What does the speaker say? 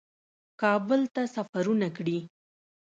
کابل ته سفرونه کړي